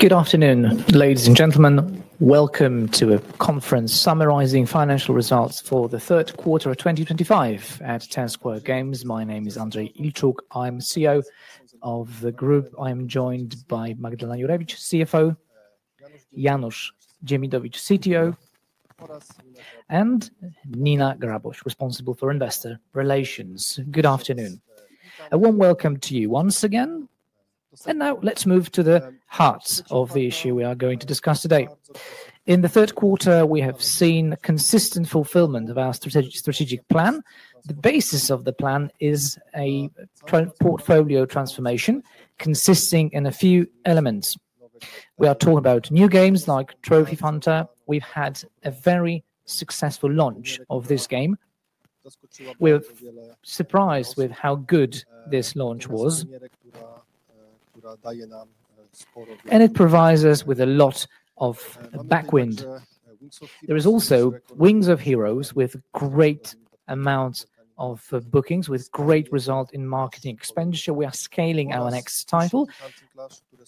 Good afternoon, ladies and gentlemen. Welcome to a conference summarizing financial results for the Third Quarter of 2025 at Ten Square Games. My name is Andrzej Ilczuk. I'm CEO of the group. I'm joined by Magdalena Jurewicz, CFO; Janusz Dziemitowicz, CTO; and Nina Grabos, responsible for investor relations. Good afternoon. A warm welcome to you once again. Now let's move to the heart of the issue we are going to discuss today. In the Third Quarter, we have seen consistent fulfillment of our strategic plan. The basis of the plan is a portfolio transformation consisting of a few elements. We are talking about new games like Trophy Hunter. We've had a very successful launch of this game. We're surprised with how good this launch was, and it provides us with a lot of backwind. There is also Wings of Heroes with a great amount of bookings, with great result in marketing expenditure. We are scaling our next title.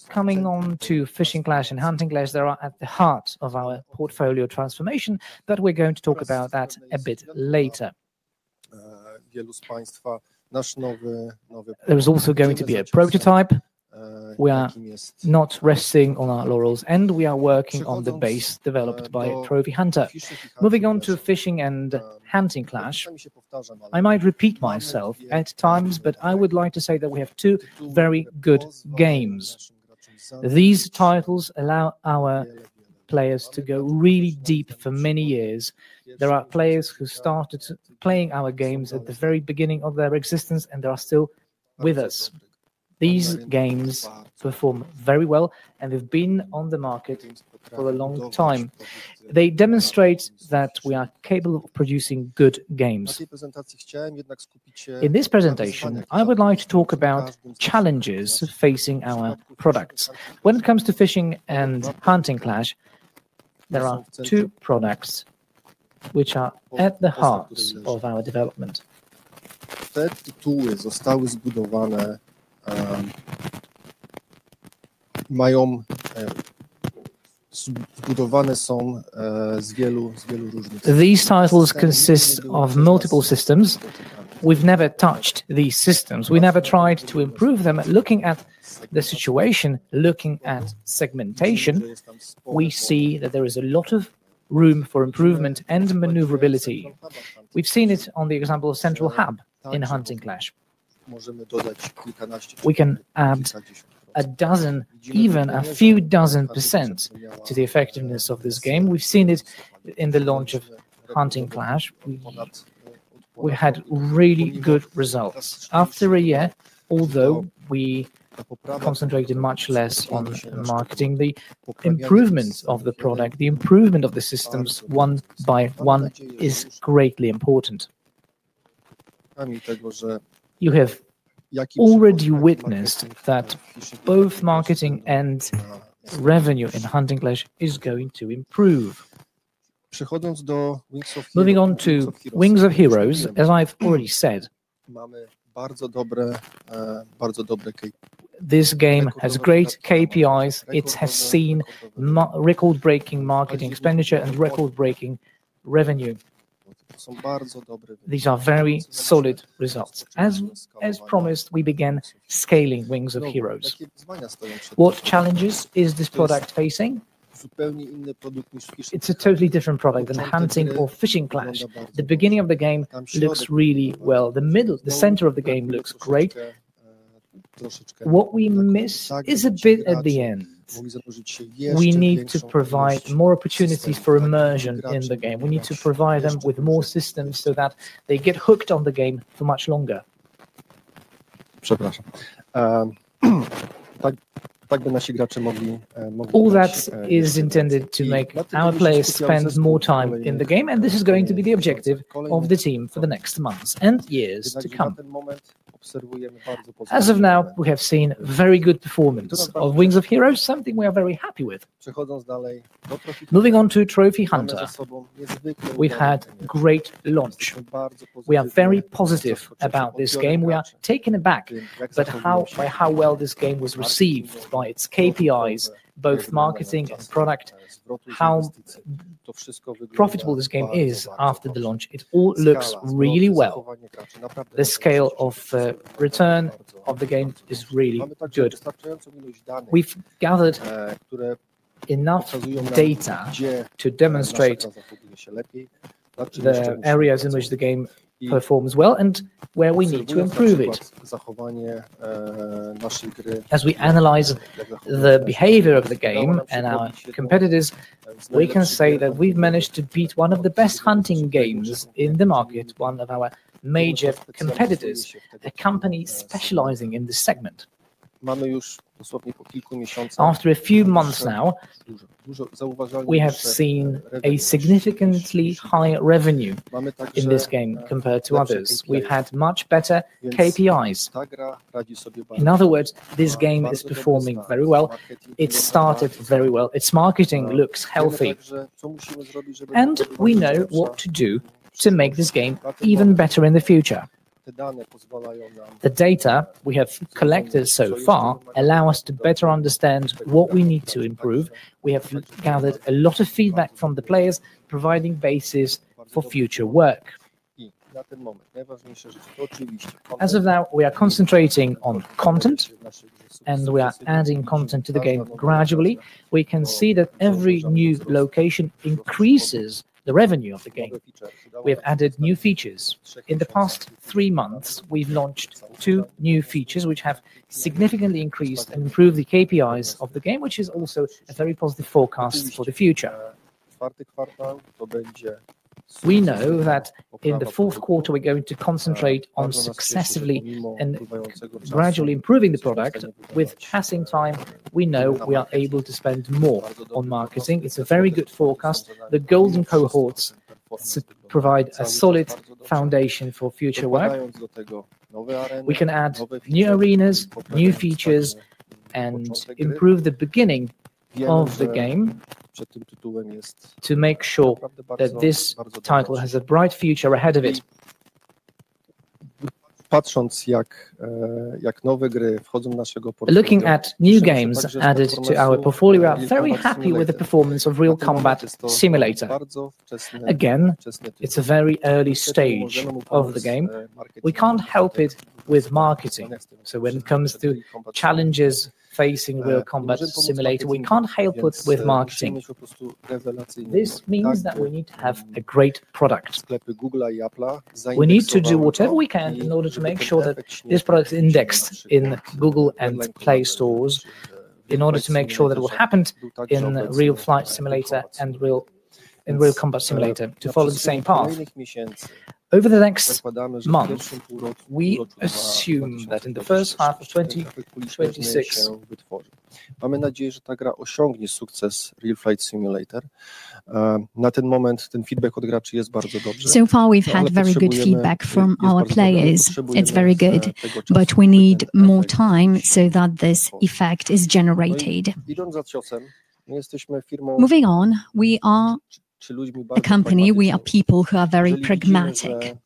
Coming on to Fishing Clash and Hunting Clash, they are at the heart of our portfolio transformation, but we are going to talk about that a bit later. There is also going to be a prototype. We are not resting on our laurels, and we are working on the base developed by Trophy Hunter. Moving on to Fishing and Hunting Clash, I might repeat myself at times, but I would like to say that we have two very good games. These titles allow our players to go really deep for many years. There are players who started playing our games at the very beginning of their existence, and they are still with us. These games perform very well, and they've been on the market for a long time. They demonstrate that we are capable of producing good games. In this presentation, I would like to talk about challenges facing our products. When it comes to Fishing Clash and Hunting Clash, there are two products which are at the heart of our development. These titles consist of multiple systems. We've never touched these systems. We never tried to improve them. Looking at the situation, looking at segmentation, we see that there is a lot of room for improvement and maneuverability. We've seen it on the example of Central Hub in Hunting Clash. We can add a dozen, even a few dozen % to the effectiveness of this game. We've seen it in the launch of Hunting Clash. We had really good results after a year, although we concentrated much less on marketing. The improvement of the product, the improvement of the systems one by one is greatly important. You have already witnessed that both marketing and revenue in Hunting Clash is going to improve. Moving on to Wings of Heroes, as I've already said, this game has great KPIs. It has seen record-breaking marketing expenditure and record-breaking revenue. These are very solid results. As promised, we begin scaling Wings of Heroes. What challenges is this product facing? It's a totally different product than Hunting or Fishing Clash. The beginning of the game looks really well. The center of the game looks great. What we miss is a bit at the end. We need to provide more opportunities for immersion in the game. We need to provide them with more systems so that they get hooked on the game for much longer. All that is intended to make our players spend more time in the game, and this is going to be the objective of the team for the next months and years to come. As of now, we have seen very good performance of Wings of Heroes, something we are very happy with. Moving on to Trophy Hunter. We've had a great launch. We are very positive about this game. We are taken aback by how well this game was received by its KPIs, both marketing and product, how profitable this game is after the launch. It all looks really well. The scale of return of the game is really good. We've gathered enough data to demonstrate the areas in which the game performs well and where we need to improve it. As we analyze the behavior of the game and our competitors, we can say that we've managed to beat one of the best hunting games in the market, one of our major competitors, a company specializing in this segment. After a few months now, we have seen a significantly higher revenue in this game compared to others. We've had much better KPIs. In other words, this game is performing very well. It started very well. Its marketing looks healthy, and we know what to do to make this game even better in the future. The data we have collected so far allow us to better understand what we need to improve. We have gathered a lot of feedback from the players, providing basis for future work. As of now, we are concentrating on content, and we are adding content to the game gradually. We can see that every new location increases the revenue of the game. We have added new features. In the past three months, we've launched two new features which have significantly increased and improved the KPIs of the game, which is also a very positive forecast for the future. We know that in the First Quarter, we're going to concentrate on successively and gradually improving the product. With passing time, we know we are able to spend more on marketing. It's a very good forecast. The Golden Cohorts provide a solid foundation for future work. We can add new arenas, new features, and improve the beginning of the game to make sure that this title has a bright future ahead of it. Looking at new games added to our portfolio, we are very happy with the performance of Real Combat Simulator. Again, it's a very early stage of the game. We can't help it with marketing. When it comes to challenges facing Real Combat Simulator, we can't help it with marketing. This means that we need to have a great product. We need to do whatever we can in order to make sure that this product is indexed in Google and Play Stores in order to make sure that what happened in Real Flight Simulator and Real Combat Simulator follows the same path. Over the next month, we assume that in the first half of 2026, so far we've had very good feedback from our players. Moving on, we are a company. We are people who are very pragmatic.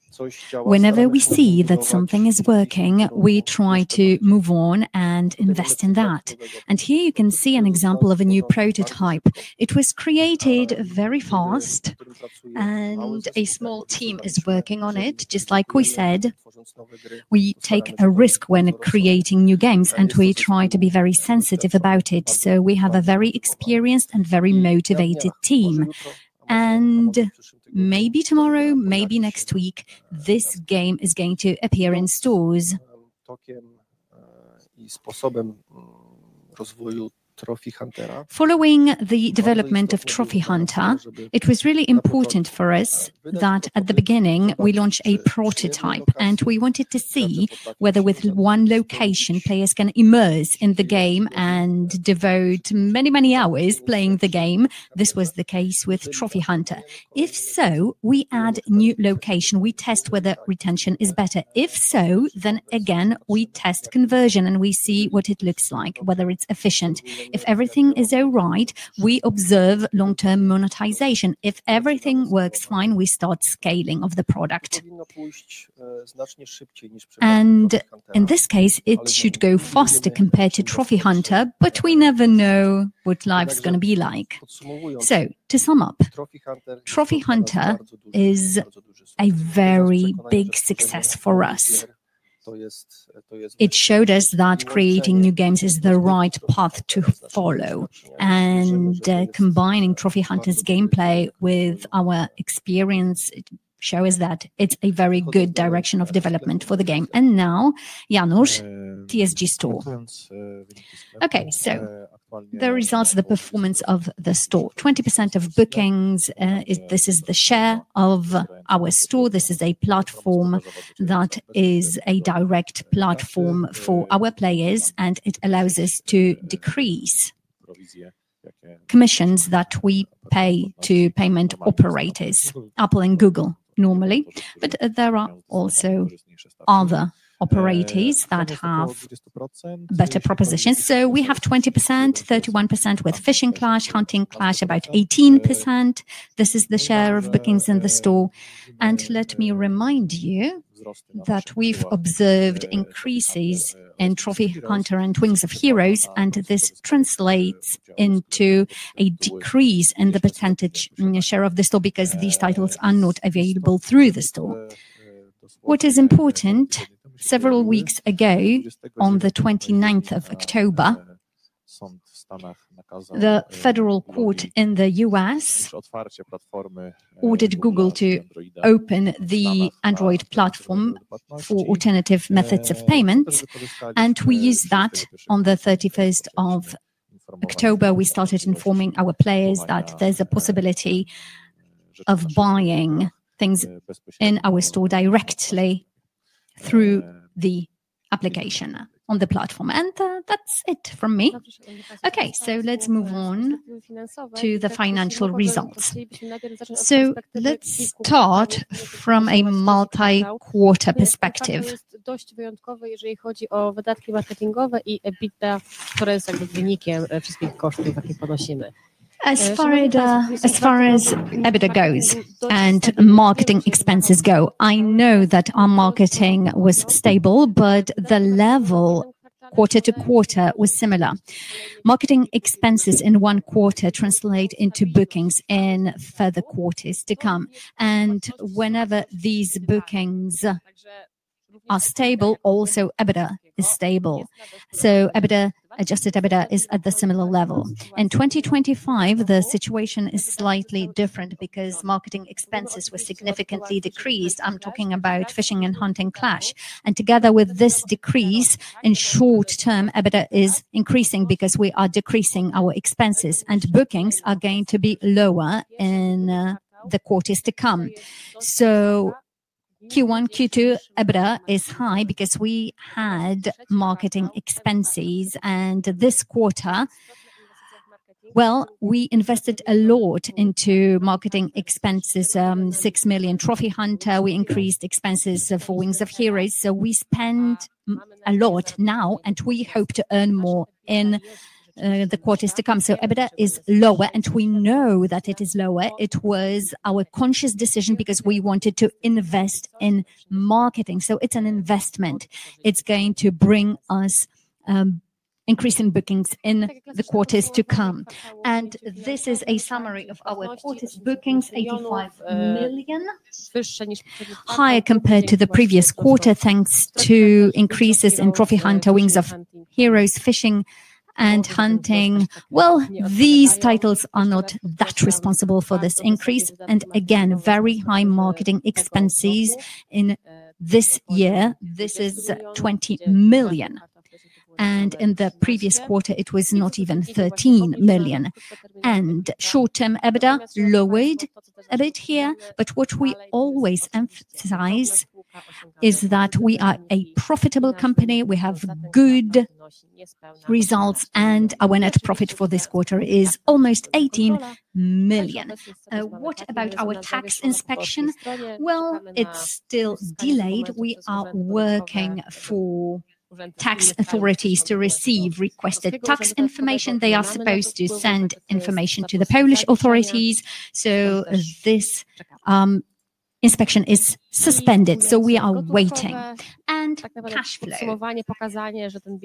Whenever we see that something is working, we try to move on and invest in that. Here you can see an example of a new prototype. It was created very fast, and a small team is working on it. Just like we said, we take a risk when creating new games, and we try to be very sensitive about it. We have a very experienced and very motivated team. Maybe tomorrow, maybe next week, this game is going to appear in stores. Following the development of Trophy Hunter, it was really important for us that at the beginning we launch a prototype, and we wanted to see whether with one location players can immerse in the game and devote many, many hours playing the game. This was the case with Trophy Hunter. If so, we add a new location. We test whether retention is better. If so, then again, we test conversion and we see what it looks like, whether it's efficient. If everything is all right, we observe long-term monetization. If everything works fine, we start scaling the product. In this case, it should go faster compared to Trophy Hunter, but we never know what life is going to be like. To sum up, Trophy Hunter is a very big success for us. It showed us that creating new games is the right path to follow, and combining Trophy Hunter's gameplay with our experience shows us that it's a very good direction of development for the game. Now, Janusz, TSG Store. Okay, the results of the performance of the store. 20% of bookings, this is the share of our store. This is a platform that is a direct platform for our players, and it allows us to decrease commissions that we pay to payment operators, Apple and Google normally. There are also other operators that have better propositions. We have 20%, 31% with Fishing Clash, Hunting Clash about 18%. This is the share of bookings in the store. Let me remind you that we've observed increases in Trophy Hunter and Wings of Heroes, and this translates into a decrease in the % share of the store because these titles are not available through the store. What is important, several weeks ago, on the 29th of October, the Federal Court in the U.S. ordered Google to open the Android platform for alternative methods of payment. We used that on the 31st of October. We started informing our players that there's a possibility of buying things in our store directly through the application on the platform. That's it from me. Okay, let's move on to the financial results. Let's start from a multi-Quarter perspective. As far as EBITDA goes and marketing expenses go, I know that our marketing was stable, but the level Quarter to Quarter was similar. Marketing expenses in one Quarter translate into bookings in further Quarters to come. Whenever these bookings are stable, also EBITDA is stable. EBITDA, adjusted EBITDA, is at the similar level. In 2025, the situation is slightly different because marketing expenses were significantly decreased. I'm talking about Fishing Clash and Hunting Clash. Together with this decrease in short term, EBITDA is increasing because we are decreasing our expenses, and bookings are going to be lower in the Quarters to come. Q1, Q2, EBITDA is high because we had marketing expenses. This Quarter, we invested a lot into marketing expenses, 6 million Trophy Hunter. We increased expenses for Wings of Heroes. We spend a lot now, and we hope to earn more in the Quarters to come. EBITDA is lower, and we know that it is lower. It was our conscious decision because we wanted to invest in marketing. It is an investment. It is going to bring us an increase in bookings in the Quarters to come. This is a summary of our Quarters bookings, 85 million, higher compared to the previous Quarter, thanks to increases in Trophy Hunter, Wings of Heroes, Fishing Clash, and Hunting Clash. These titles are not that responsible for this increase. Again, very high marketing expenses in this year. This is 20 million. In the previous Quarter, it was not even 13 million. Short-term EBITDA lowered a bit here. What we always emphasize is that we are a profitable company. We have good results, and our net profit for this Quarter is almost 18 million. What about our tax inspection? It is still delayed. We are working for tax authorities to receive requested tax information. They are supposed to send information to the Polish authorities. This inspection is suspended. We are waiting. Cash flow,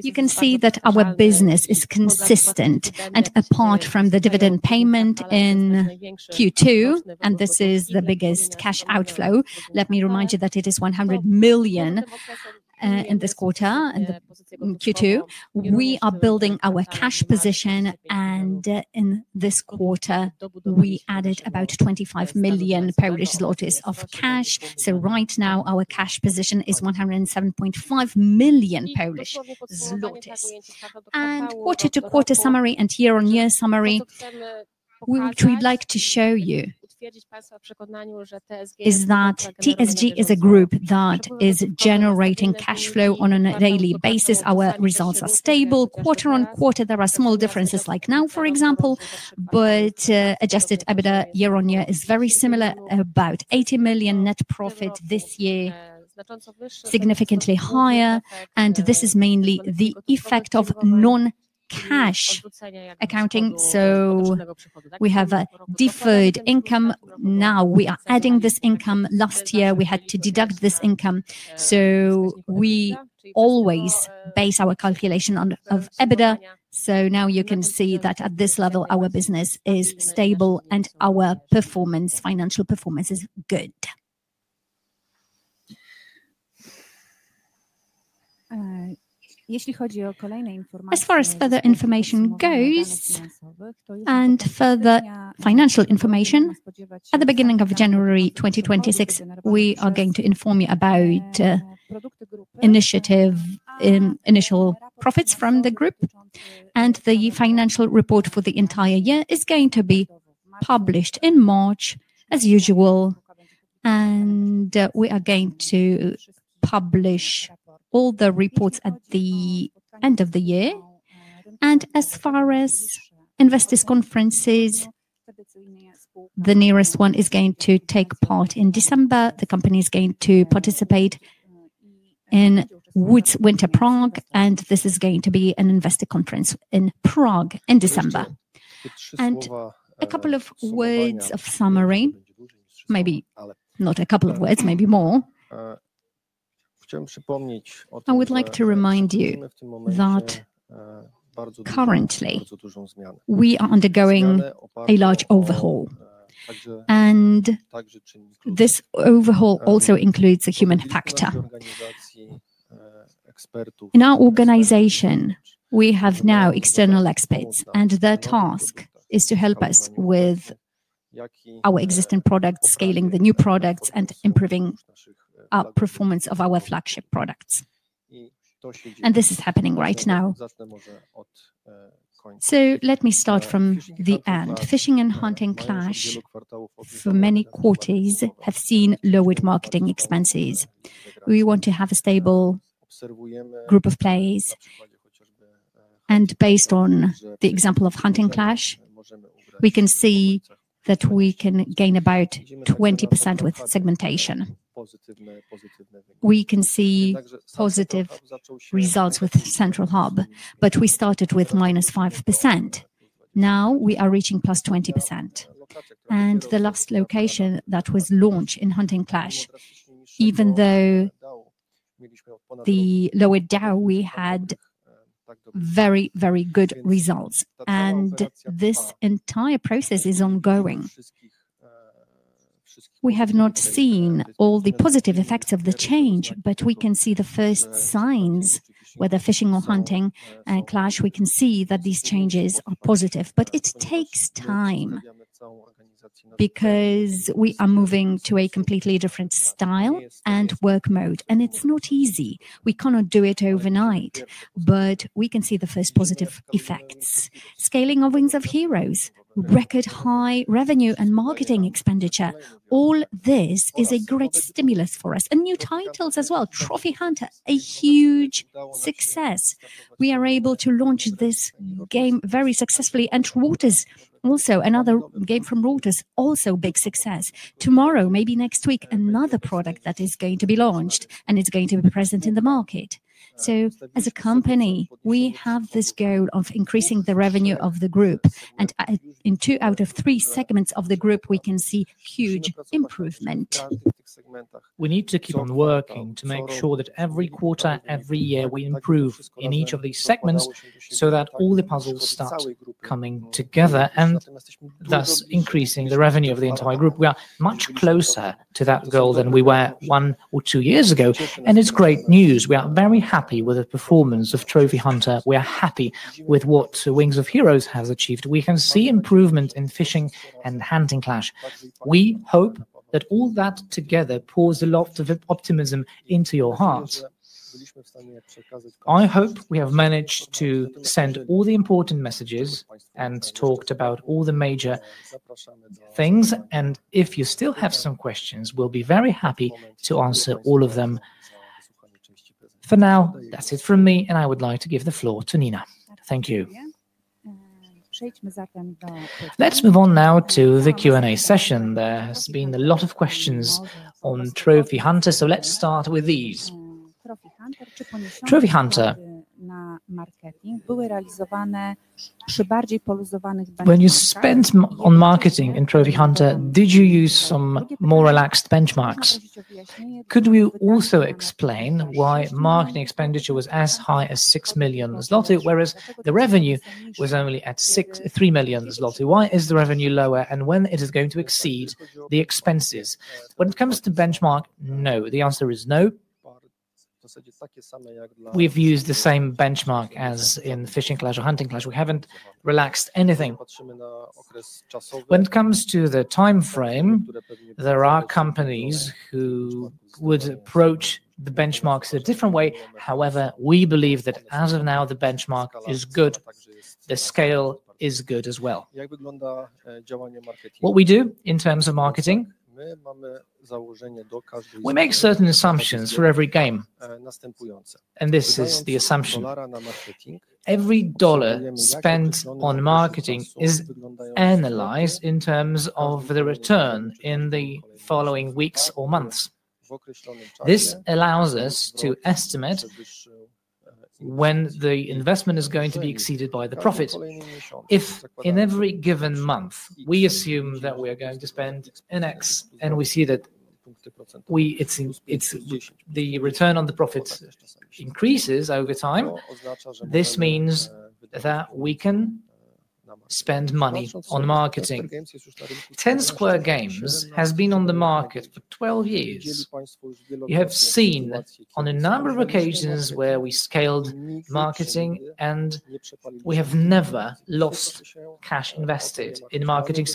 you can see that our business is consistent. Apart from the dividend payment in Q2, and this is the biggest cash outflow, let me remind you that it is 100 million in this Quarter in Q2. We are building our cash position, and in this Quarter, we added about 25 million Polish zlotys of cash. Right now, our cash position is 107.5 million Polish zlotys. Quarter to Quarter summary and year-on-year summary, which we'd like to show you, is that TSG is a group that is generating cash flow on a daily basis. Our results are stable. Quarter on Quarter, there are small differences like now, for example, but adjusted EBITDA year-on-year is very similar, about 80 million net profit this year, significantly higher. This is mainly the effect of non-cash accounting. We have a deferred income. Now we are adding this income. Last year, we had to deduct this income. We always base our calculation on EBITDA. Now you can see that at this level, our business is stable and our financial performance is good. As far as further information goes and further financial information, at the beginning of January 2026, we are going to inform you about initial profits from the group. The financial report for the entire year is going to be published in March, as usual. We are going to publish all the reports at the end of the year. As far as investors' conferences, the nearest one is going to take part in December. The company is going to participate in Woods Winter Prague, and this is going to be an investor conference in Prague in December. A couple of words of summary, maybe not a couple of words, maybe more. I would like to remind you that currently we are undergoing a large overhaul. This overhaul also includes a human factor. In our organization, we have now external experts, and their task is to help us with our existing products, scaling the new products, and improving our performance of our flagship products. This is happening right now. Let me start from the end. Fishing Clash and Hunting Clash for many Quarters have seen lowered marketing expenses. We want to have a stable group of players. Based on the example of Hunting Clash, we can see that we can gain about 20% with segmentation. We can see positive results with Central Hub, but we started with -5%. Now we are reaching +20%. The last location that was launched in Hunting Clash, even though the lower DAU, we had very, very good results. This entire process is ongoing. We have not seen all the positive effects of the change, but we can see the first signs, whether Fishing Clash or Hunting Clash, we can see that these changes are positive. It takes time because we are moving to a completely different style and work mode, and it's not easy. We cannot do it overnight, but we can see the first positive effects. Scaling of Wings of Heroes, record high revenue and marketing expenditure, all this is a great stimulus for us. New titles as well. Trophy Hunter, a huge success. We are able to launch this game very successfully. And Rortos, also another game from Rortos, also a big success. Tomorrow, maybe next week, another product that is going to be launched, and it is going to be present in the market. As a company, we have this goal of increasing the revenue of the group. In two out of three segments of the group, we can see huge improvement. We need to keep on working to make sure that every Quarter, every year, we improve in each of these segments so that all the puzzles start coming together and thus increasing the revenue of the entire group. We are much closer to that goal than we were one or two years ago. It is great news. We are very happy with the performance of Trophy Hunter. We are happy with what Wings of Heroes has achieved. We can see improvement in Fishing Clash and Hunting Clash. We hope that all that together pours a lot of optimism into your heart. I hope we have managed to send all the important messages and talked about all the major things. If you still have some questions, we'll be very happy to answer all of them. For now, that's it from me, and I would like to give the floor to Nina. Thank you. Let's move on now to the Q&A session. There has been a lot of questions on Trophy Hunter, so let's start with these. Trophy Hunter, when you spent on marketing in Trophy Hunter, did you use some more relaxed benchmarks? Could we also explain why marketing expenditure was as high as 6 million zloty, whereas the revenue was only at 3 million zloty? Why is the revenue lower, and when is it going to exceed the expenses? When it comes to benchmark, no, the answer is no. We've used the same benchmark as in Fishing Clash or Hunting Clash. We haven't relaxed anything. When it comes to the time frame, there are companies who would approach the benchmarks in a different way. However, we believe that as of now, the benchmark is good. The scale is good as well. What we do in terms of marketing, we make certain assumptions for every game. This is the assumption. Every dollar spent on marketing is analyzed in terms of the return in the following weeks or months. This allows us to estimate when the investment is going to be exceeded by the profit. If in every given month, we assume that we are going to spend an X and we see that the return on the profit increases over time, this means that we can spend money on marketing. Ten Square Games has been on the market for 12 years. You have seen on a number of occasions where we scaled marketing, and we have never lost cash invested in marketing.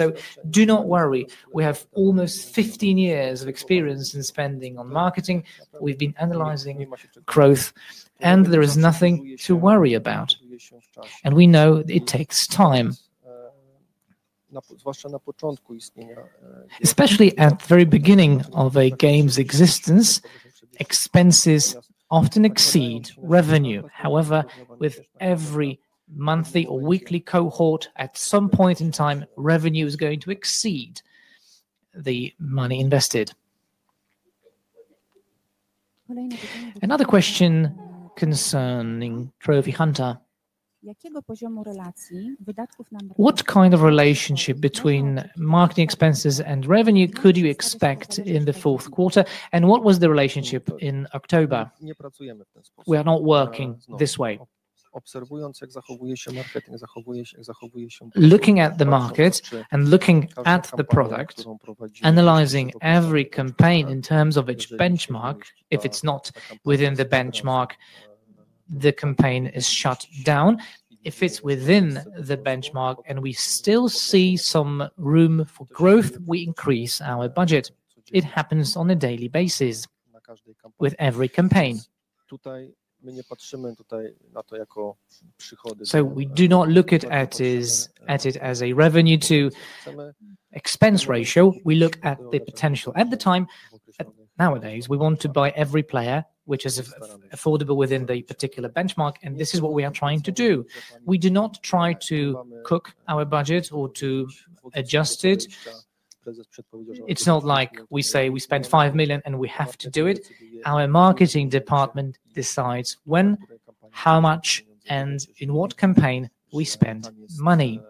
Do not worry. We have almost 15 years of experience in spending on marketing. We've been analyzing growth, and there is nothing to worry about. We know it takes time. Especially at the very beginning of a game's existence, expenses often exceed revenue. However, with every monthly or weekly cohort, at some point in time, revenue is going to exceed the money invested. Another question concerning Trophy Hunter. What kind of relationship between marketing expenses and revenue could you expect in the First Quarter? And what was the relationship in October? We are not working this way. Looking at the market and looking at the product, analyzing every campaign in terms of its benchmark, if it is not within the benchmark, the campaign is shut down. If it is within the benchmark and we still see some room for growth, we increase our budget. It happens on a daily basis with every campaign. We do not look at it as a revenue to expense ratio. We look at the potential at the time. Nowadays, we want to buy every player, which is affordable within the particular benchmark, and this is what we are trying to do. We do not try to cook our budget or to adjust it. It's not like we say we spend $5 million and we have to do it. Our marketing department decides when, how much, and in what campaign we spend money.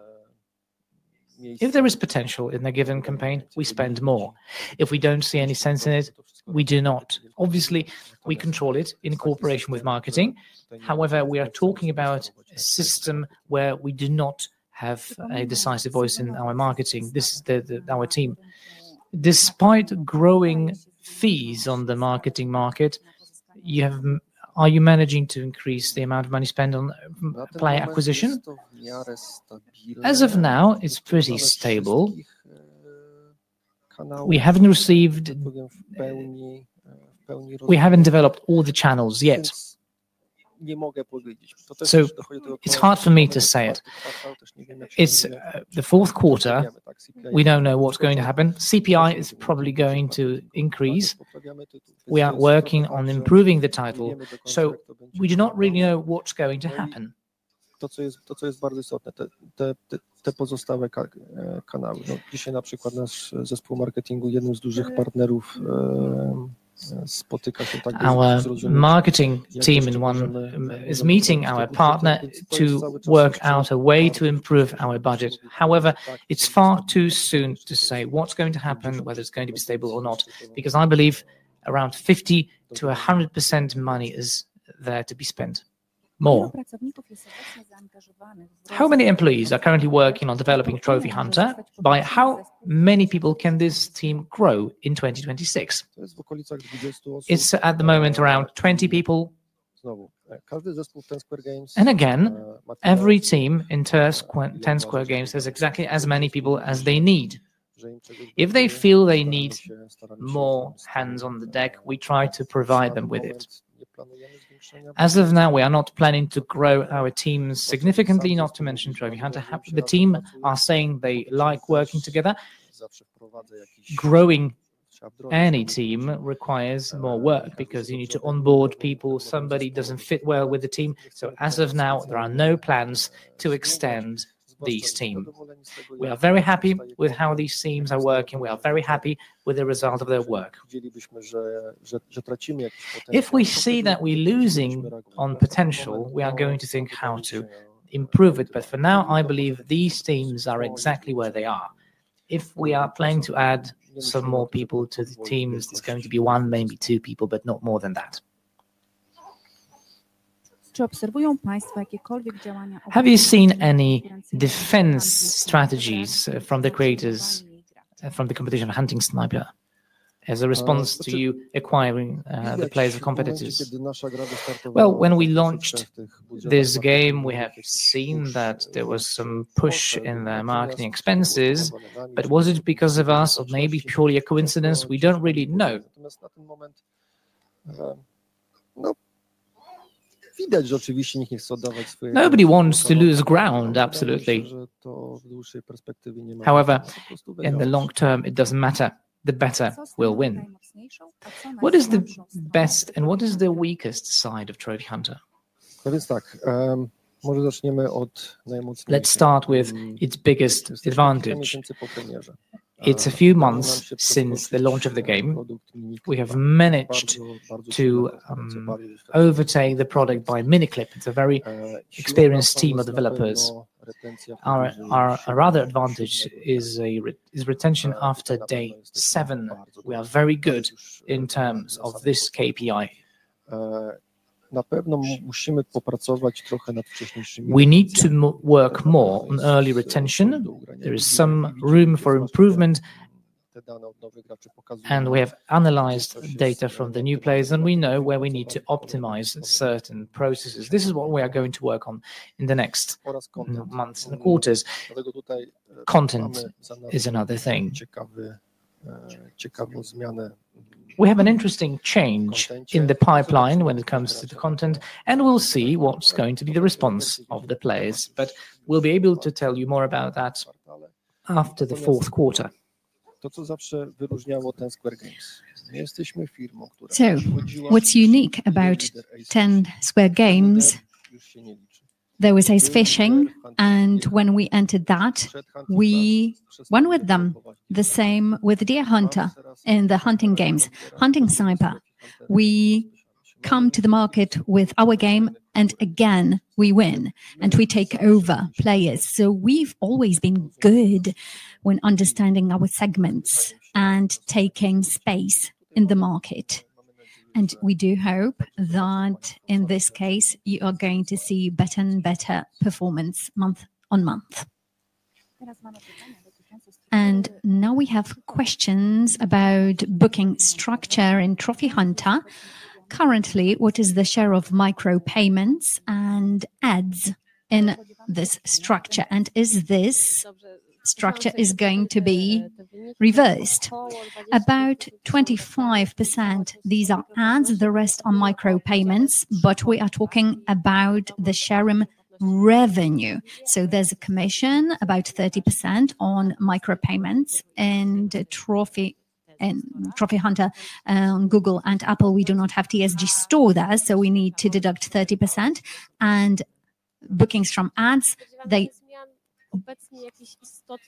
If there is potential in the given campaign, we spend more. If we don't see any sense in it, we do not. Obviously, we control it in cooperation with marketing. However, we are talking about a system where we do not have a decisive voice in our marketing. This is our team. Despite growing fees on the marketing market, are you managing to increase the amount of money spent on player acquisition? As of now, it's pretty stable. We haven't developed all the channels yet. It's hard for me to say it. It's the First Quarter. We don't know what's going to happen. CPI is probably going to increase. We are working on improving the title, so we do not really know what's going to happen. Our marketing team is meeting our partner to work out a way to improve our budget. However, it's far too soon to say what's going to happen, whether it's going to be stable or not, because I believe around 50%-100% money is there to be spent more. How many employees are currently working on developing Trophy Hunter? By how many people can this team grow in 2026? It's at the moment around 20 people. And again, every team in Ten Square Games has exactly as many people as they need. If they feel they need more hands on the deck, we try to provide them with it. As of now, we are not planning to grow our team significantly, not to mention Trophy Hunter. The team are saying they like working together. Growing any team requires more work because you need to onboard people. Somebody does not fit well with the team. As of now, there are no plans to extend these teams. We are very happy with how these teams are working. We are very happy with the result of their work. If we see that we are losing on potential, we are going to think how to improve it. For now, I believe these teams are exactly where they are. If we are planning to add some more people to the teams, it is going to be one, maybe two people, but not more than that. Have you seen any defense strategies from the creators from the competition, Hunting Sniper, as a response to you acquiring the players of competitors? When we launched this game, we have seen that there was some push in their marketing expenses. Was it because of us or maybe purely a coincidence? We don't really know. Nobody wants to lose ground, absolutely. However, in the long term, it doesn't matter. The better will win. What is the best and what is the weakest side of Trophy Hunter? Let's start with its biggest advantage. It's a few months since the launch of the game. We have managed to overtake the product by Miniclip. It's a very experienced team of developers. Our rather advantage is retention after day seven. We are very good in terms of this KPI. We need to work more on early retention. There is some room for improvement. We have analyzed data from the new players, and we know where we need to optimize certain processes. This is what we are going to work on in the next months and Quarters. Content is another thing. We have an interesting change in the pipeline when it comes to the content, and we'll see what's going to be the response of the players. We will be able to tell you more about that after the Fourth Quarter. What's unique about Ten Square Games? There was Fishing, and when we entered that, we won with them. The same with Deer Hunter in the hunting games. Hunting Sniper, we come to the market with our game, and again, we win, and we take over players. We have always been good when understanding our segments and taking space in the market. We do hope that in this case, you are going to see better and better performance month on month. Now we have questions about booking structure in Trophy Hunter. Currently, what is the share of micro payments and ads in this structure? Is this structure going to be reversed? About 25% are ads, the rest are micro payments, but we are talking about the share in revenue. There is a commission, about 30% on micro payments. In Trophy Hunter, on Google and Apple, we do not have TSG Store there, so we need to deduct 30%. Bookings from ads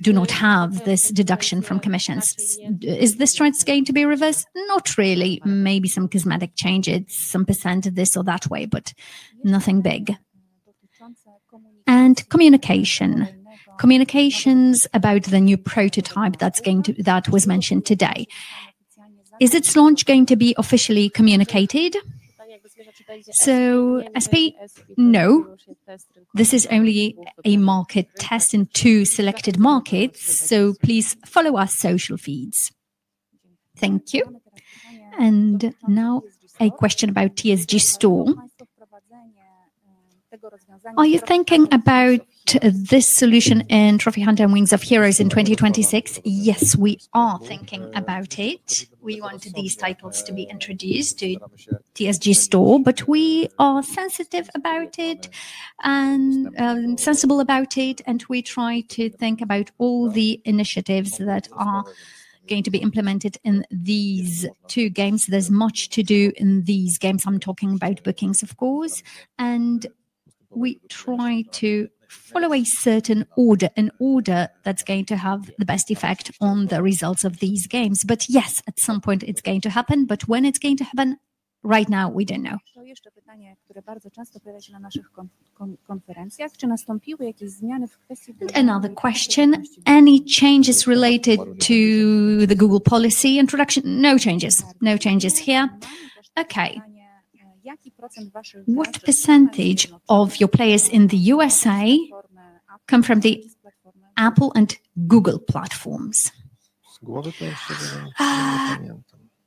do not have this deduction from commissions. Is this trend going to be reversed? Not really. Maybe some cosmetic change, some percent of this or that way, but nothing big. Communications about the new prototype that was mentioned today. Is its launch going to be officially communicated? SP, no. This is only a market test in two selected markets, so please follow our social feeds. Thank you. Now a question about TSG Store. Are you thinking about this solution in Trophy Hunter and Wings of Heroes in 2026? Yes, we are thinking about it. We want these titles to be introduced to TSG Store, but we are sensitive about it and sensible about it, and we try to think about all the initiatives that are going to be implemented in these two games. There is much to do in these games. I am talking about bookings, of course. We try to follow a certain order, an order that is going to have the best effect on the results of these games. Yes, at some point, it is going to happen, but when it is going to happen? Right now, we don't know. Another question. Any changes related to the Google policy introduction? No changes. No changes here. Okay. What percentage of your players in the US come from the Apple and Google platforms?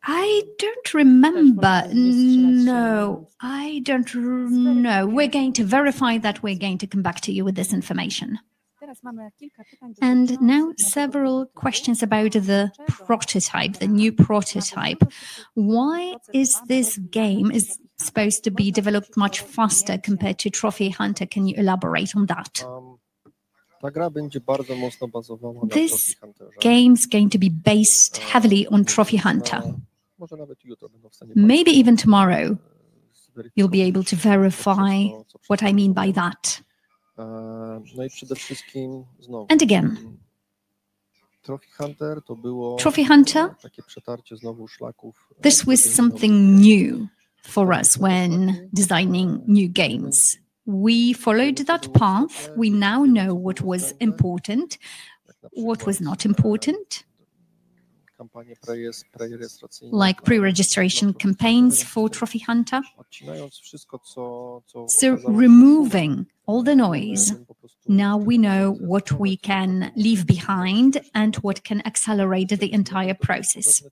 I don't remember. No. I don't remember. We're going to verify that. We're going to come back to you with this information. Now several questions about the prototype, the new prototype. Why is this game supposed to be developed much faster compared to Trophy Hunter? Can you elaborate on that? This game is going to be based heavily on Trophy Hunter. Maybe even tomorrow, you'll be able to verify what I mean by that. Trophy Hunter was something new for us when designing new games. We followed that path. We now know what was important, what was not important, like pre-registration campaigns for Trophy Hunter. Removing all the noise, now we know what we can leave behind and what can accelerate the entire process.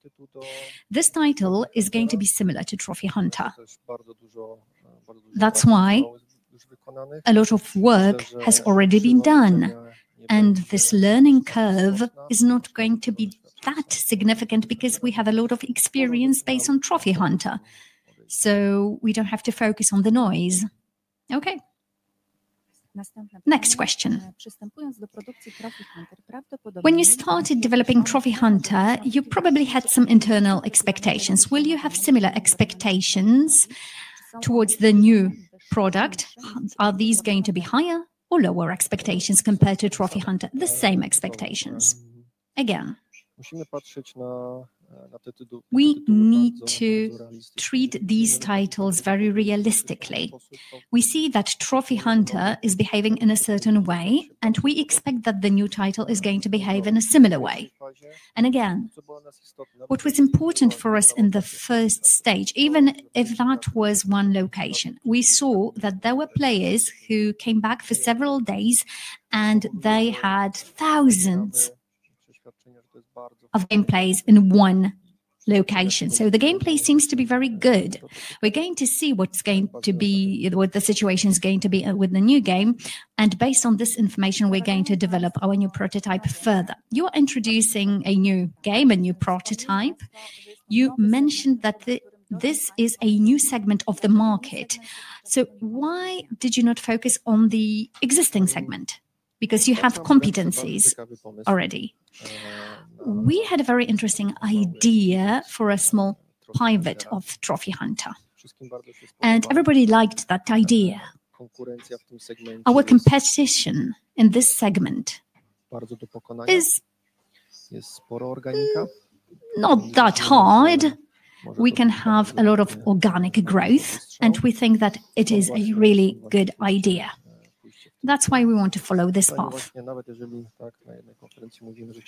This title is going to be similar to Trophy Hunter. That is why a lot of work has already been done, and this learning curve is not going to be that significant because we have a lot of experience based on Trophy Hunter. We do not have to focus on the noise. Okay. Next question. When you started developing Trophy Hunter, you probably had some internal expectations. Will you have similar expectations towards the new product? Are these going to be higher or lower expectations compared to Trophy Hunter? The same expectations. Again, we need to treat these titles very realistically. We see that Trophy Hunter is behaving in a certain way, and we expect that the new title is going to behave in a similar way. What was important for us in the first stage, even if that was one location, we saw that there were players who came back for several days, and they had thousands of gameplays in one location. The gameplay seems to be very good. We're going to see what's going to be, what the situation's going to be with the new game. Based on this information, we're going to develop our new prototype further. You're introducing a new game, a new prototype. You mentioned that this is a new segment of the market. Why did you not focus on the existing segment? Because you have competencies already. We had a very interesting idea for a small pivot of Trophy Hunter, and everybody liked that idea. Our competition in this segment is not that hard. We can have a lot of organic growth, and we think that it is a really good idea. That is why we want to follow this path.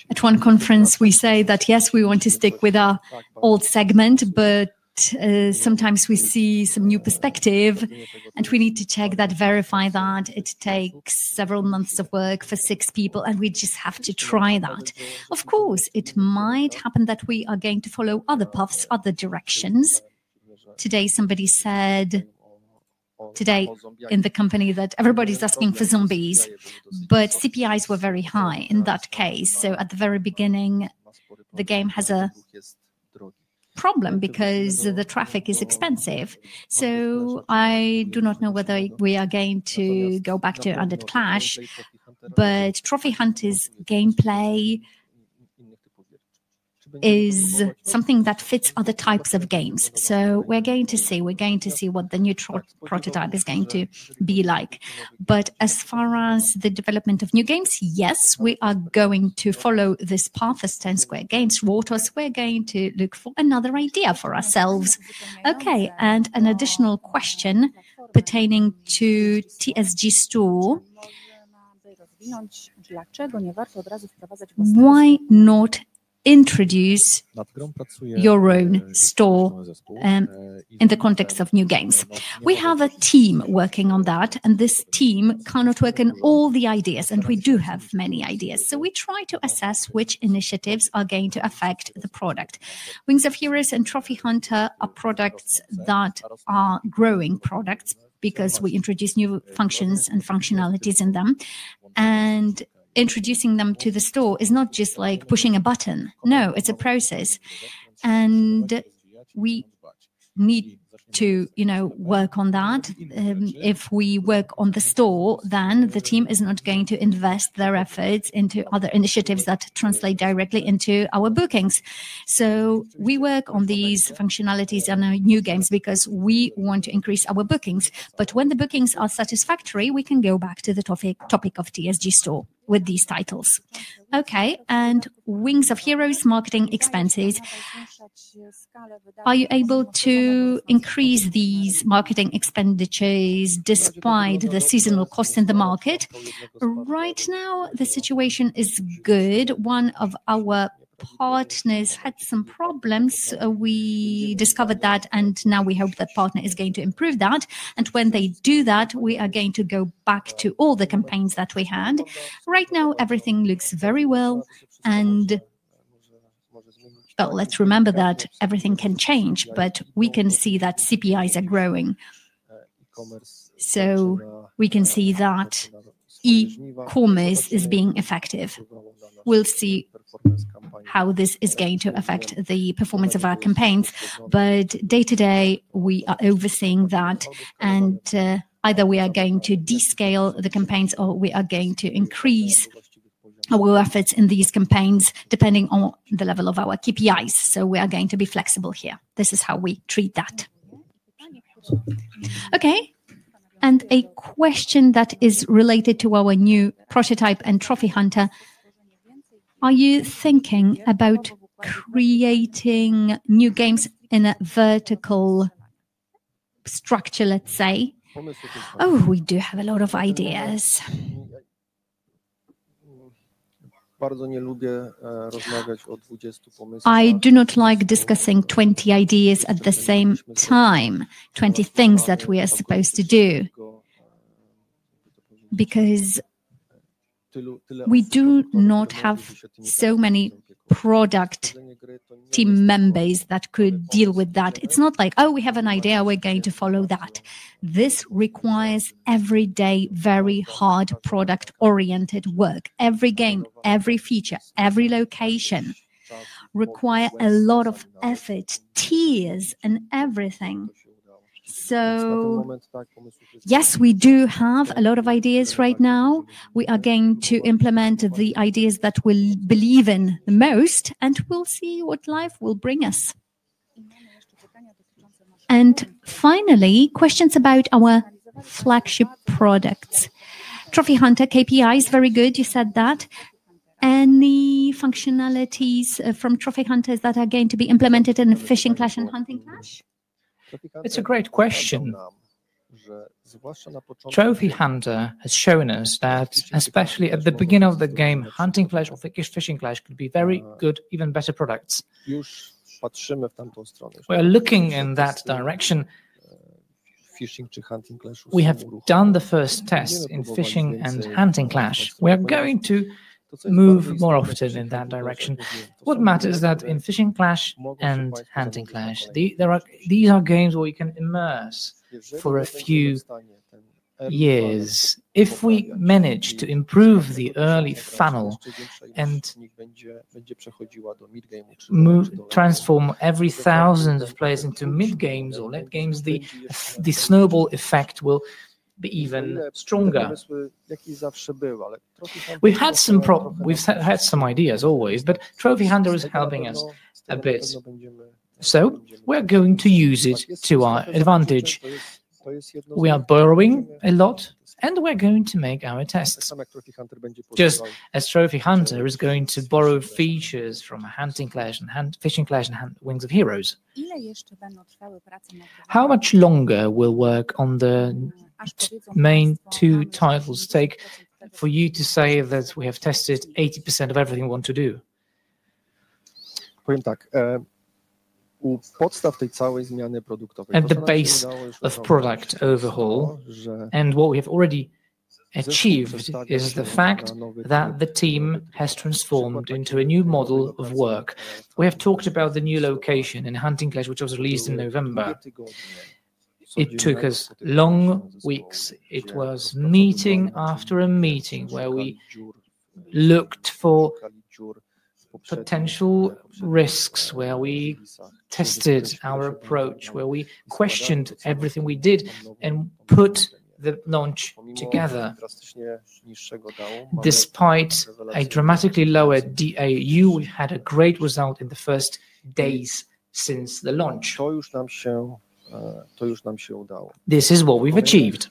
At one conference, we say that yes, we want to stick with our old segment, but sometimes we see some new perspective, and we need to check that, verify that. It takes several months of work for six people, and we just have to try that. Of course, it might happen that we are going to follow other paths, other directions. Today, somebody said today in the company that everybody is asking for zombies, but CPIs were very high in that case. At the very beginning, the game has a problem because the traffic is expensive. I do not know whether we are going to go back to Undead Clash, but Trophy Hunter's gameplay is something that fits other types of games. We're going to see what the new prototype is going to be like. As far as the development of new games, yes, we are going to follow this path as Ten Square Games walked us. We're going to look for another idea for ourselves. Okay. An additional question pertaining to TSG Store. Why not introduce your own store in the context of new games? We have a team working on that, and this team cannot work on all the ideas, and we do have many ideas. We try to assess which initiatives are going to affect the product. Wings of Heroes and Trophy Hunter are products that are growing products because we introduce new functions and functionalities in them. Introducing them to the store is not just like pushing a button. No, it's a process. We need to work on that. If we work on the store, then the team is not going to invest their efforts into other initiatives that translate directly into our bookings. We work on these functionalities in our new games because we want to increase our bookings. When the bookings are satisfactory, we can go back to the topic of TSG Store with these titles. Okay. Wings of Heroes marketing expenses. Are you able to increase these marketing expenditures despite the seasonal costs in the market? Right now, the situation is good. One of our partners had some problems. We discovered that, and now we hope that partner is going to improve that. When they do that, we are going to go back to all the campaigns that we had. Right now, everything looks very well. Let us remember that everything can change, but we can see that CPIs are growing. We can see that e-commerce is being effective. We will see how this is going to affect the performance of our campaigns. Day to day, we are overseeing that. Either we are going to descale the campaigns or we are going to increase our efforts in these campaigns depending on the level of our KPIs. We are going to be flexible here. This is how we treat that. Okay. A question that is related to our new prototype and Trophy Hunter. Are you thinking about creating new games in a vertical structure, let's say? Oh, we do have a lot of ideas. I do not like discussing 20 ideas at the same time, 20 things that we are supposed to do because we do not have so many product team members that could deal with that. It's not like, "Oh, we have an idea. We're going to follow that." This requires everyday, very hard product-oriented work. Every game, every feature, every location requires a lot of effort, tears, and everything. Yes, we do have a lot of ideas right now. We are going to implement the ideas that we believe in the most, and we'll see what life will bring us. Finally, questions about our flagship products. Trophy Hunter KPI is very good. You said that. Any functionalities from Trophy Hunter that are going to be implemented in Fishing Clash and Hunting Clash? It's a great question. Trophy Hunter has shown us that especially at the beginning of the game, Hunting Clash or Fishing Clash could be very good, even better products. We are looking in that direction. We have done the first tests in Fishing and Hunting Clash. We are going to move more often in that direction. What matters is that in Fishing Clash and Hunting Clash, these are games where you can immerse for a few years. If we manage to improve the early funnel and transform every thousand of players into mid-games or late games, the snowball effect will be even stronger. We've had some ideas always, but Trophy Hunter is helping us a bit. We are going to use it to our advantage. We are borrowing a lot, and we are going to make our tests. Just as Trophy Hunter is going to borrow features from Hunting Clash and Fishing Clash and Wings of Heroes, how much longer will work on the main two titles take for you to say that we have tested 80% of everything we want to do? The base of product overhaul and what we have already achieved is the fact that the team has transformed into a new model of work. We have talked about the new location in Hunting Clash, which was released in November. It took us long weeks. It was meeting after meeting where we looked for potential risks, where we tested our approach, where we questioned everything we did and put the launch together. Despite a dramatically lower DAU, we had a great result in the first days since the launch. This is what we've achieved.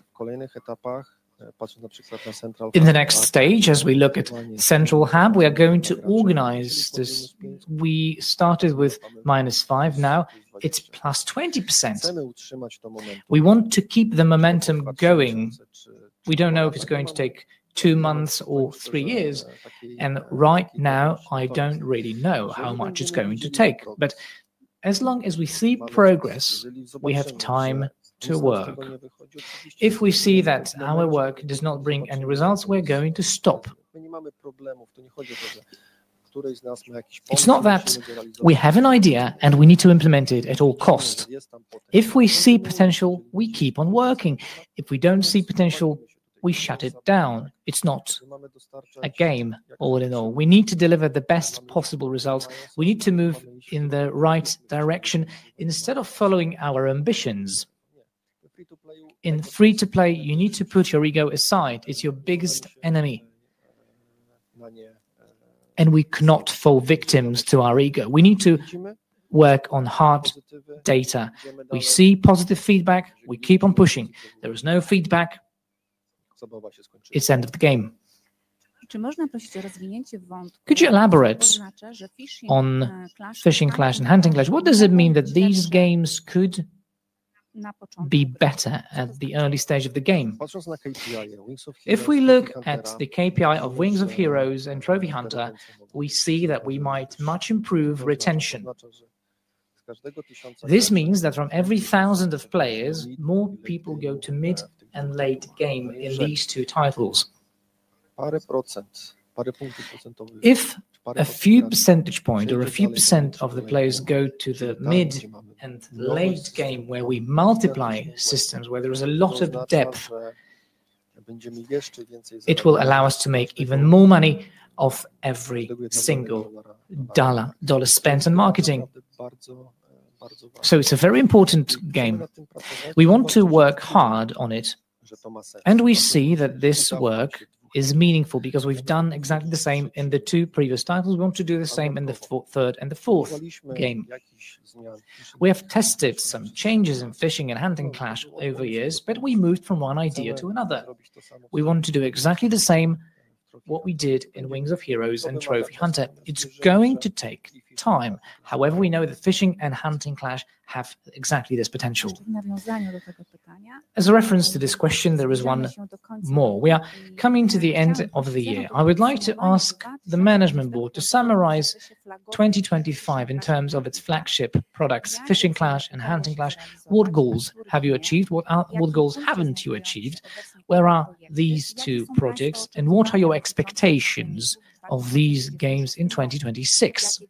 In the next stage, as we look at Central Hub, we are going to organize this. We started with -5%. Now it's +20%. We want to keep the momentum going. We do not know if it's going to take two months or three years. Right now, I do not really know how much it's going to take. As long as we see progress, we have time to work. If we see that our work does not bring any results, we're going to stop. It's not that we have an idea and we need to implement it at all costs. If we see potential, we keep on working. If we do not see potential, we shut it down. It's not a game all in all. We need to deliver the best possible results. We need to move in the right direction instead of following our ambitions. In free-to-play, you need to put your ego aside. It's your biggest enemy. We cannot fall victims to our ego. We need to work on hard data. We see positive feedback. We keep on pushing. There is no feedback. It's the end of the game. Could you elaborate on Fishing Clash and Hunting Clash? What does it mean that these games could be better at the early stage of the game? If we look at the KPI of Wings of Heroes and Trophy Hunter, we see that we might much improve retention. This means that from every thousand of players, more people go to mid and late game in these two titles. If a few percentage points or a few percent of the players go to the mid and late game, where we multiply systems, where there is a lot of depth, it will allow us to make even more money off every single dollar spent on marketing. It is a very important game. We want to work hard on it. We see that this work is meaningful because we have done exactly the same in the two previous titles. We want to do the same in the third and the fourth game. We have tested some changes in Fishing Clash and Hunting Clash over years, but we moved from one idea to another. We want to do exactly the same as what we did in Wings of Heroes and Trophy Hunter. It is going to take time. However, we know that Fishing Clash and Hunting Clash have exactly this potential. As a reference to this question, there is one more. We are coming to the end of the year. I would like to ask the management board to summarize 2025 in terms of its flagship products, Fishing Clash and Hunting Clash. What goals have you achieved? What goals have not you achieved? Where are these two projects? What are your expectations of these games in 2026?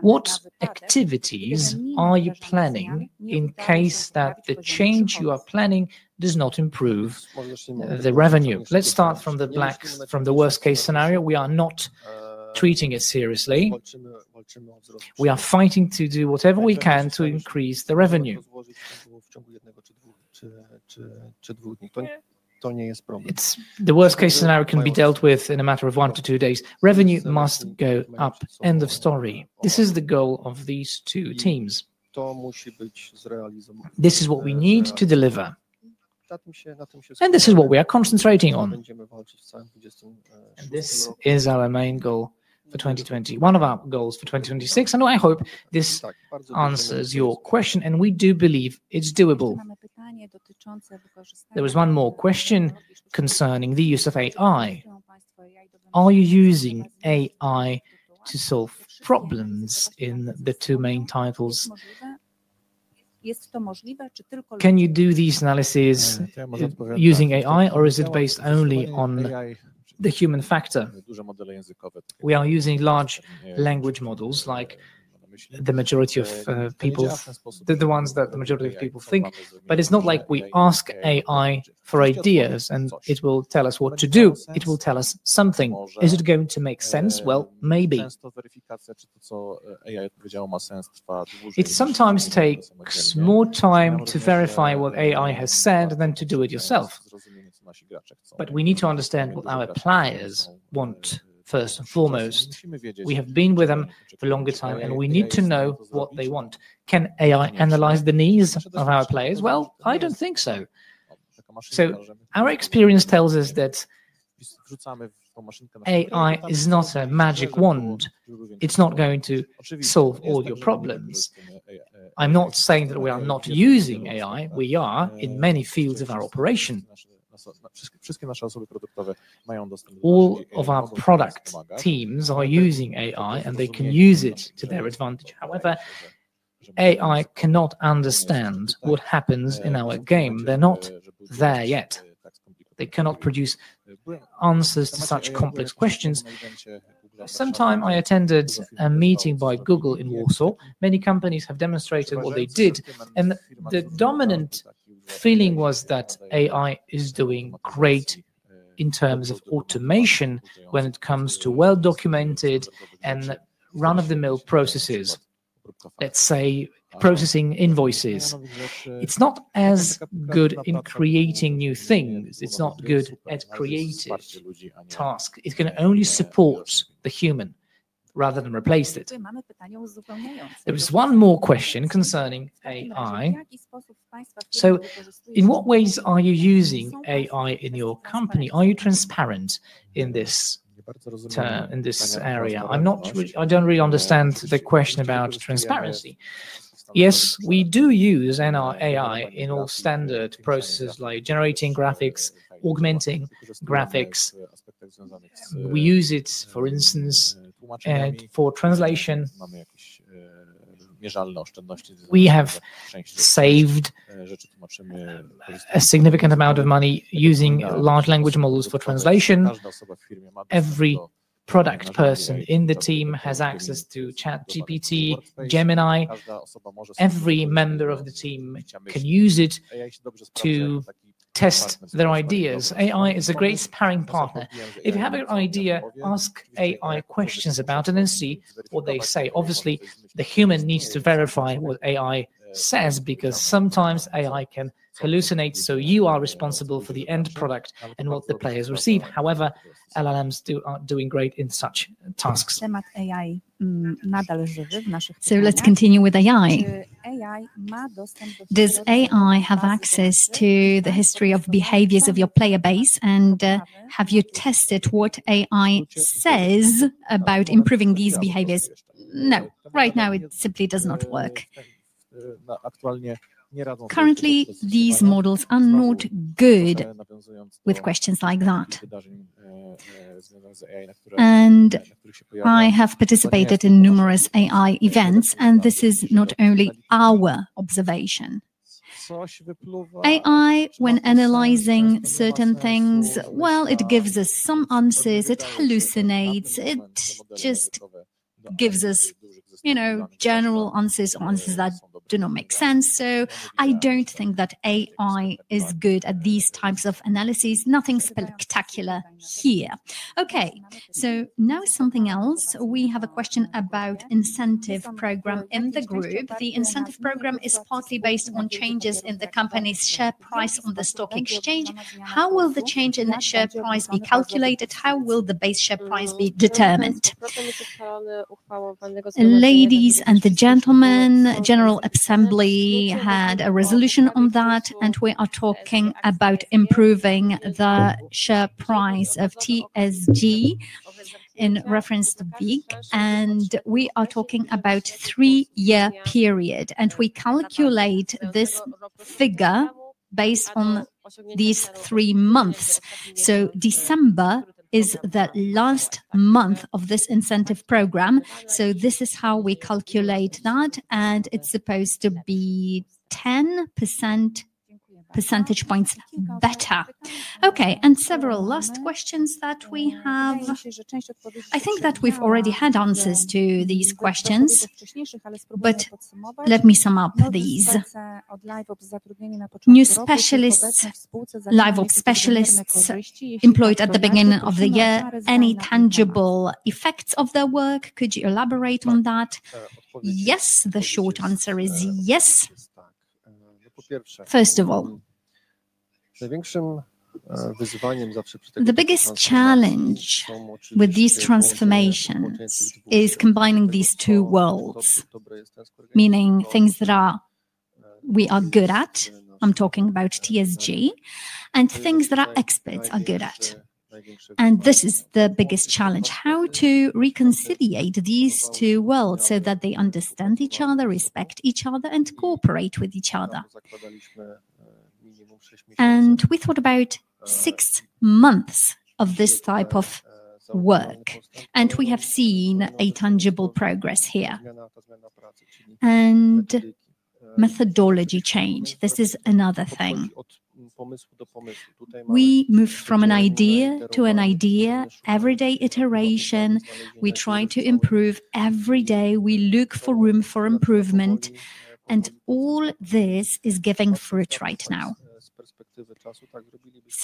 What activities are you planning in case that the change you are planning does not improve the revenue? Let's start from the worst-case scenario. We are not treating it seriously. We are fighting to do whatever we can to increase the revenue. The worst-case scenario can be dealt with in a matter of one to two days. Revenue must go up. End of story. This is the goal of these two teams. This is what we need to deliver. This is what we are concentrating on. This is our main goal for 2020. One of our goals for 2026. I hope this answers your question. We do believe it's doable. There is one more question concerning the use of AI. Are you using AI to solve problems in the two main titles? Can you do these analyses using AI, or is it based only on the human factor? We are using large language models, like the majority of people, the ones that the majority of people think. It's not like we ask AI for ideas, and it will tell us what to do. It will tell us something. Is it going to make sense? Maybe. It sometimes takes more time to verify what AI has said than to do it yourself. We need to understand what our players want first and foremost. We have been with them for a longer time, and we need to know what they want. Can AI analyze the needs of our players? I do not think so. Our experience tells us that AI is not a magic wand. It is not going to solve all your problems. I am not saying that we are not using AI. We are in many fields of our operation. All of our product teams are using AI, and they can use it to their advantage. However, AI cannot understand what happens in our game. They are not there yet. They cannot produce answers to such complex questions. Sometime I attended a meeting by Google in Warsaw. Many companies have demonstrated what they did. The dominant feeling was that AI is doing great in terms of automation when it comes to well-documented and run-of-the-mill processes, let's say processing invoices. It's not as good in creating new things. It's not good at creative tasks. It can only support the human rather than replace it. There is one more question concerning AI. In what ways are you using AI in your company? Are you transparent in this area? I don't really understand the question about transparency. Yes, we do use AI in all standard processes like generating graphics, augmenting graphics. We use it, for instance, for translation. We have saved a significant amount of money using large language models for translation. Every product person in the team has access to ChatGPT, Gemini. Every member of the team can use it to test their ideas. AI is a great sparring partner. If you have an idea, ask AI questions about it and see what they say. Obviously, the human needs to verify what AI says because sometimes AI can hallucinate. You are responsible for the end product and what the players receive. However, LLMs are doing great in such tasks. Let's continue with AI. Does AI have access to the history of behaviors of your player base? Have you tested what AI says about improving these behaviors? No. Right now, it simply does not work. Currently, these models are not good with questions like that. I have participated in numerous AI events, and this is not only our observation. AI, when analyzing certain things, gives us some answers. It hallucinates. It just gives us, you know, general answers or answers that do not make sense. I do not think that AI is good at these types of analyses. Nothing spectacular here. Okay, now something else. We have a question about the incentive program in the group. The incentive program is partly based on changes in the company's share price on the stock exchange. How will the change in the share price be calculated? How will the base share price be determined? Ladies and gentlemen, General Assembly had a resolution on that, and we are talking about improving the share price of TSG in reference to WIG. We are talking about a three-year period. We calculate this figure based on these three months. December is the last month of this incentive program. This is how we calculate that. It is supposed to be 10 percentage points better. Okay, and several last questions that we have. I think that we've already had answers to these questions, but let me sum up these. New specialists, live-op specialists employed at the beginning of the year, any tangible effects of their work? Could you elaborate on that? Yes, the short answer is yes. First of all, the biggest challenge with this transformation is combining these two worlds, meaning things that we are good at. I'm talking about TSG and things that our experts are good at. This is the biggest challenge: how to reconciliate these two worlds so that they understand each other, respect each other, and cooperate with each other. We thought about six months of this type of work, and we have seen tangible progress here. Methodology change, this is another thing. We move from an idea to an idea, everyday iteration. We try to improve every day. We look for room for improvement. All this is giving fruit right now.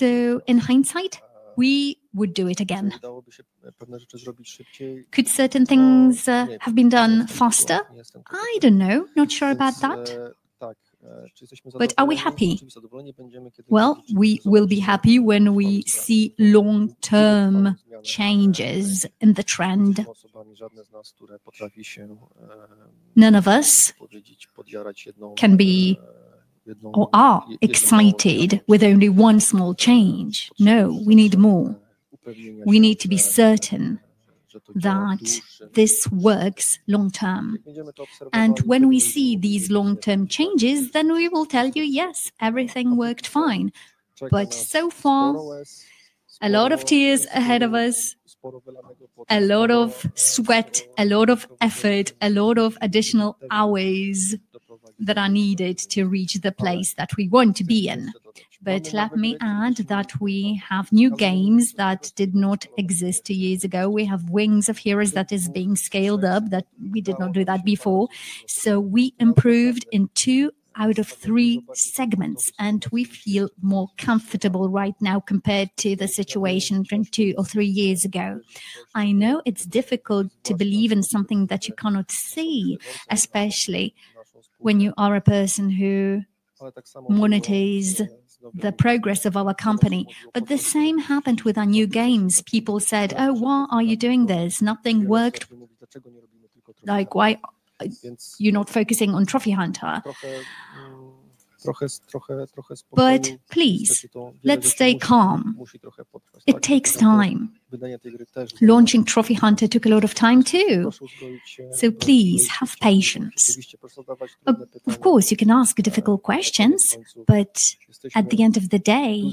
In hindsight, we would do it again. Could certain things have been done faster? I don't know. Not sure about that. Are we happy? We will be happy when we see long-term changes in the trend. None of us can be excited with only one small change. No, we need more. We need to be certain that this works long-term. When we see these long-term changes, then we will tell you, yes, everything worked fine. So far, a lot of tears ahead of us, a lot of sweat, a lot of effort, a lot of additional hours that are needed to reach the place that we want to be in. Let me add that we have new games that did not exist two years ago. We have Wings of Heroes that is being scaled up, that we did not do that before. We improved in two out of three segments, and we feel more comfortable right now compared to the situation from two or three years ago. I know it's difficult to believe in something that you cannot see, especially when you are a person who monitors the progress of our company. The same happened with our new games. People said, "Oh, why are you doing this? Nothing worked." Like, "Why are you not focusing on Trophy Hunter?" Please, let's stay calm. It takes time. Launching Trophy Hunter took a lot of time too. Please, have patience. Of course, you can ask difficult questions, but at the end of the day,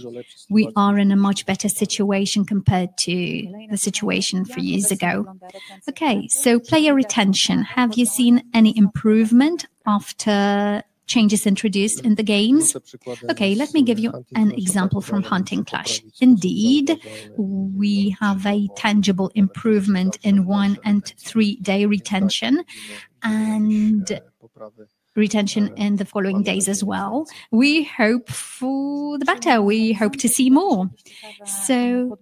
we are in a much better situation compared to the situation three years ago. Okay, so player retention. Have you seen any improvement after changes introduced in the games? Okay, let me give you an example from Hunting Clash. Indeed, we have a tangible improvement in one and three-day retention and retention in the following days as well. We hope for the better. We hope to see more. So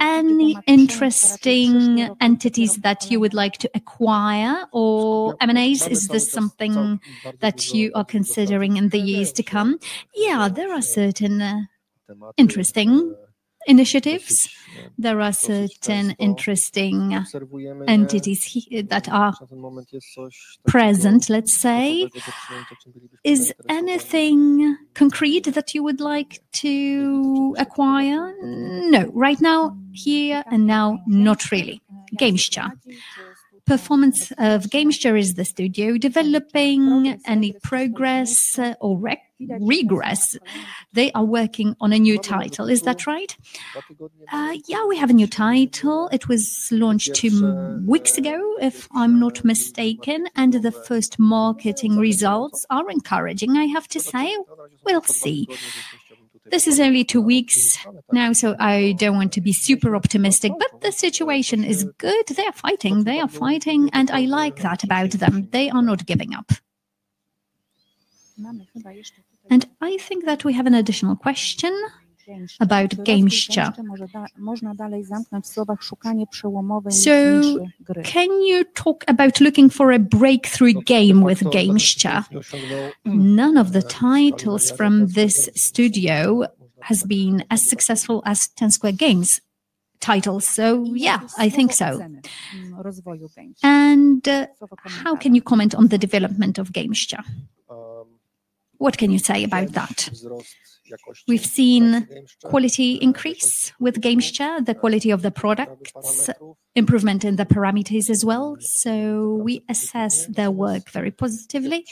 any interesting entities that you would like to acquire or M&As? Is this something that you are considering in the years to come? Yeah, there are certain interesting initiatives. There are certain interesting entities that are present, let's say. Is anything concrete that you would like to acquire? No. Right now, here and now, not really. GameStar. Performance of GameStar is the studio developing any progress or regress. They are working on a new title. Is that right? Yeah, we have a new title. It was launched two weeks ago, if I'm not mistaken. And the first marketing results are encouraging, I have to say. We'll see. This is only two weeks now, so I don't want to be super optimistic, but the situation is good. They are fighting. They are fighting. And I like that about them. They are not giving up. I think that we have an additional question about GameStar. Can you talk about looking for a breakthrough game with GameStar? None of the titles from this studio has been as successful as Ten Square Games titles. Yeah, I think so. How can you comment on the development of GameStar? What can you say about that? We've seen quality increase with GameStar, the quality of the products, improvement in the parameters as well. We assess their work very positively.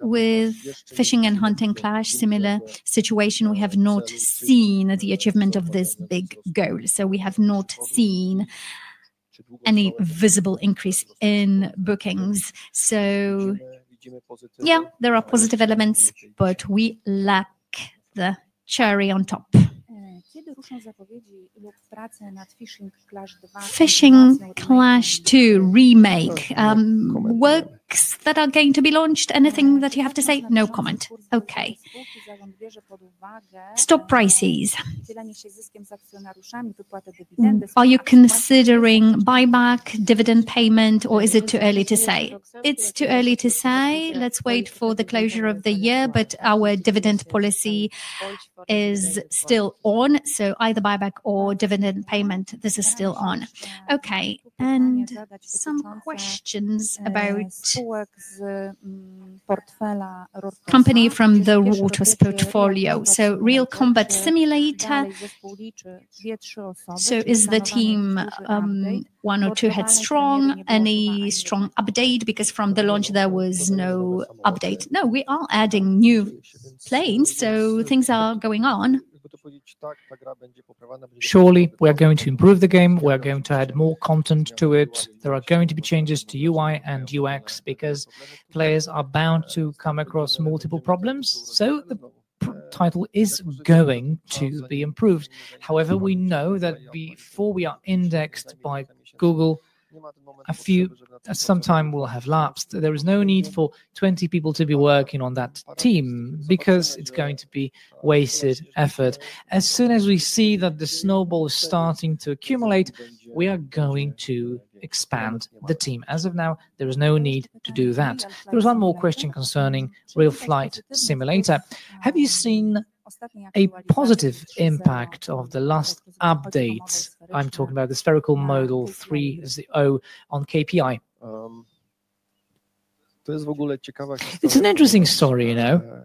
With Fishing and Hunting Clash, similar situation, we have not seen the achievement of this big goal. We have not seen any visible increase in bookings. There are positive elements, but we lack the cherry on top. Fishing Clash 2 remake. Works that are going to be launched. Anything that you have to say? No comment. Okay. Stop prices. Are you considering buyback, dividend payment, or is it too early to say? It's too early to say. Let's wait for the closure of the year, but our dividend policy is still on. So either buyback or dividend payment, this is still on. Okay. And some questions about company from the Rortos portfolio. So Real Combat Simulator. So is the team one or two heads strong? Any strong update? Because from the launch, there was no update. No, we are adding new planes. So things are going on. Surely, we are going to improve the game. We are going to add more content to it. There are going to be changes to UI and UX because players are bound to come across multiple problems. So the title is going to be improved. However, we know that before we are indexed by Google, a few some time will have lapsed. There is no need for 20 people to be working on that team because it's going to be wasted effort. As soon as we see that the snowball is starting to accumulate, we are going to expand the team. As of now, there is no need to do that. There was one more question concerning Real Flight Simulator. Have you seen a positive impact of the last update? I'm talking about the Spherical Model 3.0 on KPI. It's an interesting story, you know.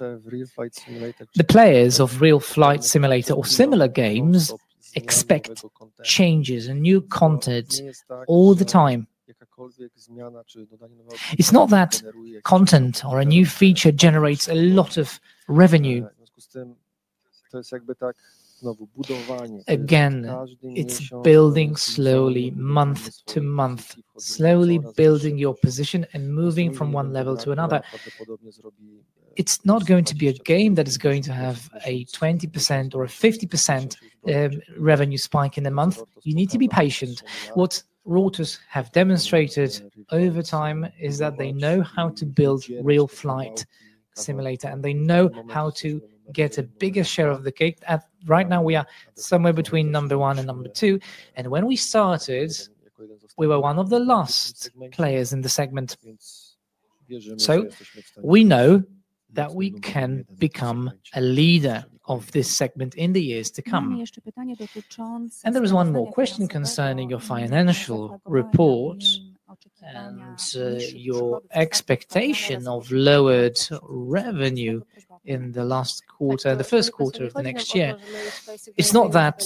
The players of Real Flight Simulator or similar games expect changes and new content all the time. It's not that content or a new feature generates a lot of revenue. Again, it's building slowly, month to month, slowly building your position and moving from one level to another. It's not going to be a game that is going to have a 20% or a 50% revenue spike in a month. You need to be patient. What Rortos have demonstrated over time is that they know how to build Real Flight Simulator, and they know how to get a bigger share of the cake. Right now, we are somewhere between number one and number two. When we started, we were one of the last players in the segment. We know that we can become a leader of this segment in the years to come. There was one more question concerning your financial report and your expectation of lowered revenue in the last Quarter, the First Quarter of the next year. It's not that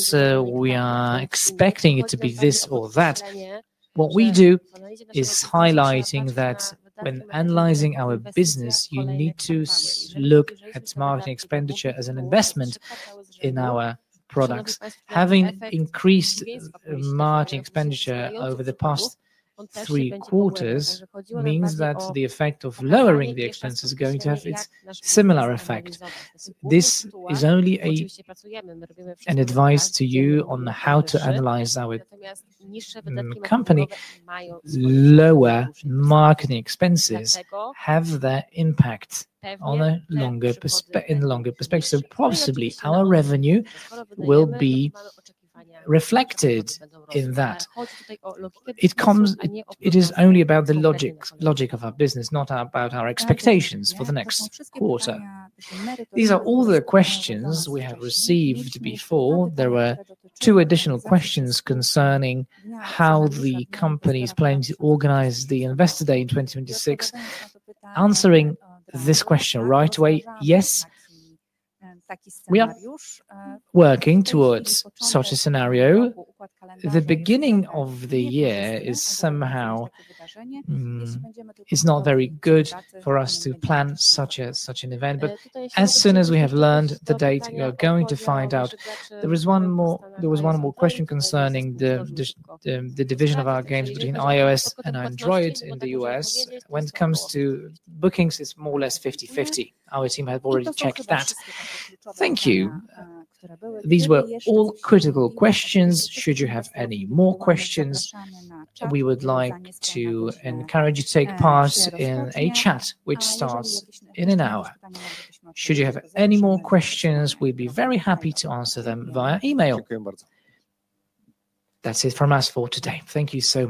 we are expecting it to be this or that. What we do is highlighting that when analyzing our business, you need to look at marketing expenditure as an investment in our products. Having increased marketing expenditure over the past three Quarters means that the effect of lowering the expenses is going to have its similar effect. This is only an advice to you on how to analyze our company. Lower marketing expenses have their impact in the longer perspective. So possibly our revenue will be reflected in that. It is only about the logic of our business, not about our expectations for the next Quarter. These are all the questions we have received before. There were two additional questions concerning how the company is planning to organize the Investor Day in 2026. Answering this question right away, yes, we are working towards such a scenario. The beginning of the year is somehow not very good for us to plan such an event. As soon as we have learned the date, we are going to find out. There was one more question concerning the division of our games between iOS and Android in the US. When it comes to bookings, it's more or less 50-50. Our team has already checked that. Thank you. These were all critical questions. Should you have any more questions, we would like to encourage you to take part in a chat, which starts in an hour. Should you have any more questions, we'd be very happy to answer them via email. That's it from us for today. Thank you so much.